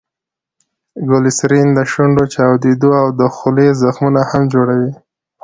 ګلیسرین دشونډو چاودي او دخولې زخمونه هم جوړوي.